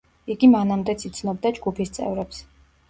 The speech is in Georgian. იგი მანამდეც იცნობდა ჯგუფის წევრებს.